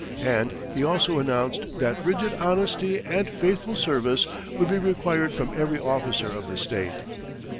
And he also announced that "rigid honesty and faithful service would be required from every officer of the State."